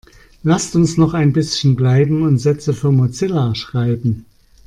Lasst uns noch ein bisschen bleiben und Sätze für Mozilla schreiben.